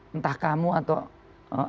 entah kamu atau mnc